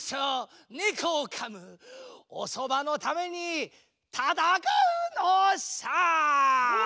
おそばのためにたたかうのさ！